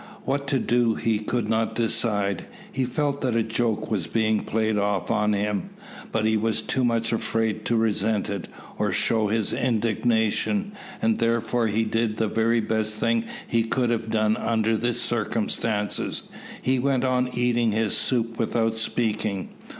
What to do he could not decide. He felt that a joke was being played off on him, but he was too much afraid to resent it, or show his indignation, and therefore he did the very best thing he could have done under the circumstances, he went on eating his soup without speaking.